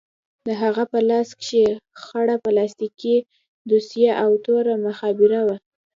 د هغه په لاس کښې خړه پلاستيکي دوسيه او توره مخابره وه.